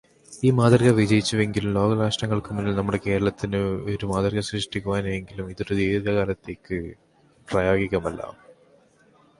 ഈ മാതൃക വിജയിച്ചുവെങ്കിലും, ലോകരാഷ്ട്രങ്ങൾക്കു മുന്നിൽ നമ്മുടെ കേരളത്തിന് ഒരു മാതൃക സൃഷ്ടിക്കുവാനുമായി എങ്കിലും ഇതൊരു ദീർഗ്ഘകാലത്തേക്ക് പ്രായോഗികമല്ല.